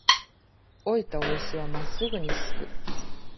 老いた雄牛は、真っすぐに鋤く。